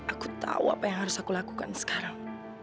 aku tahu apa yang harus aku lakukan sekarang